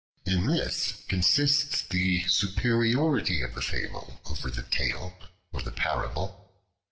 In this consists the superiority of the Fable over the Tale or the Parable.